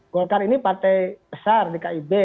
golkar ini partai besar di kib